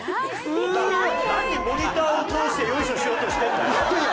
何モニターを通してヨイショしようとしてるんだよ。